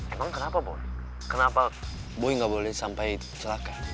emang kenapa boy kenapa boy ga boleh sampai celaka